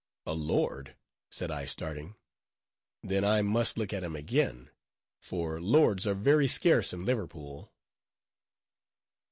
"A lord?" said I starting; "then I must look at him again;" for lords are very scarce in Liverpool.